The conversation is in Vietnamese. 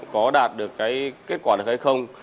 có đạt được cái kết quả được hay không